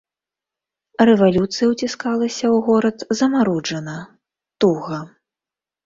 Рэвалюцыя ўціскалася ў горад замаруджана, туга.